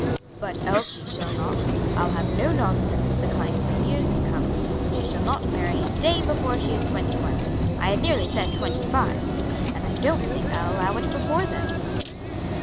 "But Elsie shall not. I'll have no nonsense of the kind for years to come. She shall not marry a day before she is twenty one, I had nearly said twenty five; and I don't think I'll allow it before then."